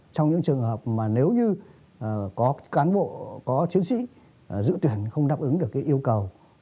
trong những trường hợp mà nếu như có cán bộ có chiến sĩ dự tuyển không đáp ứng được cái yêu cầu